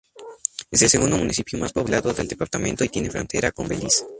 Es el segundo municipio más poblado del departamento y tiene frontera con Belice.